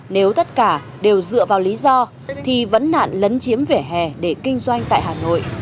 nếu tất cả đều dựa vào lý do thì vấn nạn lấn chiếm vỉa hè để kinh doanh tại hà nội